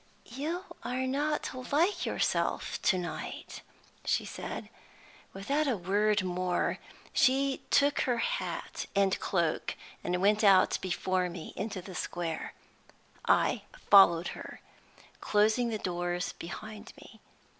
"You are not like yourself to night," she said. Without a word more, she took her hat and cloak and went out before me into the square. I followed her, closing the doors behind me.